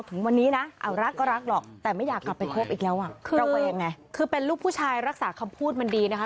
ถึงวันนี้นะรักก็รักหรอกแต่ไม่อยากกลับไปคบอีกแล้วอ่ะคือระแวงไงคือเป็นลูกผู้ชายรักษาคำพูดมันดีนะคะ